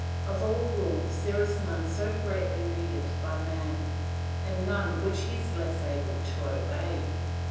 Of all rules there is none so greatly needed by man, and none which he is less able to obey.